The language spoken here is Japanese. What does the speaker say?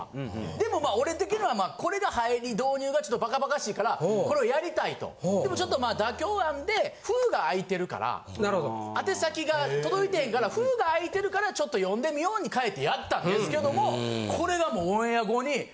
でもまあ俺的にはこれが入り導入がちょっとバカバカしいからこれをやりたいとでもちょっとまあ妥協案で封が開いてるから宛先が届いてへんから封が開いてるからちょっと読んでみように変えてやったんですけどもこれがもうオンエア後に。